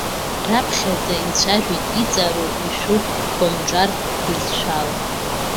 Раԥхьаӡа ицәажәеит иҵару, ишәу комҿартә бызшәала.